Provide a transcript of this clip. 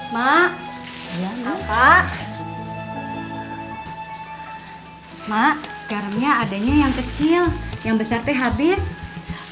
mak mak karenanya adanya yang kecil yang besar teh habis apa apa ama tuh